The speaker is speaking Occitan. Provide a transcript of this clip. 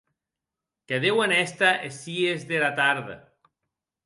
Que deuen èster es sies dera tarde.